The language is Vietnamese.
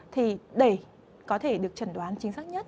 thì để có thể được trần đoán chính xác nhất